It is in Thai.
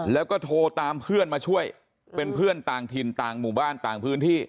แล้วก็โทรตามเพื่อนมาช่วยเป็นเพื่อนต่างถิ่นต่างหมู่บ้านต่างพื้นที่